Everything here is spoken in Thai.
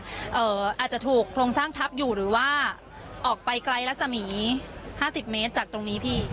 อาจจะถูกโครงสร้างทับอยู่หรือว่าออกไปไกลรัศมีห้าสิบเมตรจากตรงนี้พี่